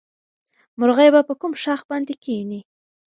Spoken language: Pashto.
مرغۍ به په کوم ښاخ باندې کېني؟